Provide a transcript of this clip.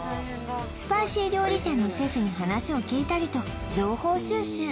スパイシー料理店のシェフに話を聞いたりと情報収集